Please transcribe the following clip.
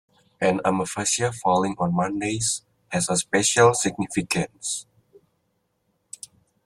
An Amavasya falling on Mondays has a special significance.